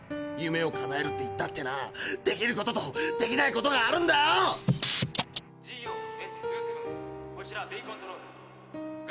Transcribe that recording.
「夢をかなえる」って言ったってなできることとできないことがあるんだよ！